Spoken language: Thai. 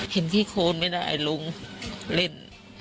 เห็นพี่โคณไม่ได้ลงเล่น